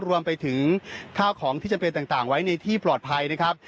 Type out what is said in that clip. รวมไปถึงข้าวของที่จำเป็นต่างไว้ในที่ปลอดภัยนะครับ